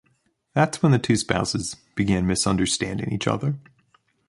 That’s when the two spouses began misunderstanding each other.